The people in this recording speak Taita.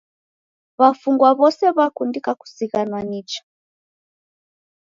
W'afungwa w'ose w'akundika kuzighanwa nicha.